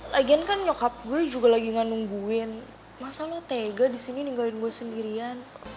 lagian kan nyokap gue juga lagi gak nungguin masa lo tega disini ninggalin gue sendirian